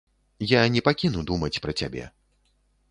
Я не пакіну думаць пра цябе.